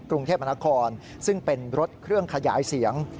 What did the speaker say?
กรุงเทพมนาคมซึ่งเป็นรถเครื่องขยายเสียง